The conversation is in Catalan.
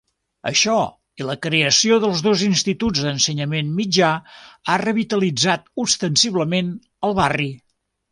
Això i la creació dels dos instituts d'ensenyament mitjà ha revitalitzat ostensiblement el barri.